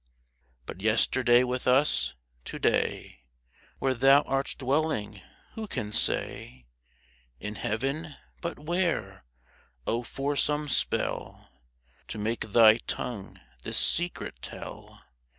But yesterday with us. To day Where thou art dwelling, who can say ? In heaven ? But where ? Oh for some spell To make thy tongue this secret tell